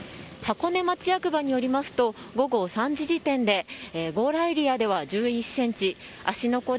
箱根町役場によりますと午後３時時点で強羅エリアでは１１ｃｍ芦ノ